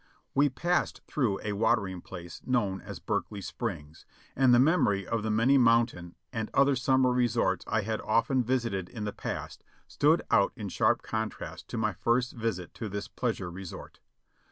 We passed through a watering place know as Berkeley Springs, and the memory of the many mountain and other summer resorts I had often visited in the past stood out in sharp contrast to my first visit to this pleasure resort.